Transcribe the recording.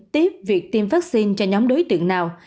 tiếp việc tiêm vaccine cho nhóm đối tượng nào